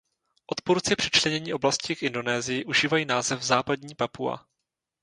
Odpůrci přičlenění oblasti k Indonésii užívají název Západní Papua.